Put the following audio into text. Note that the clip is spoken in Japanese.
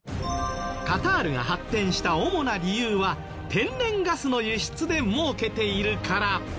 カタールが発展した主な理由は天然ガスの輸出で儲けているから。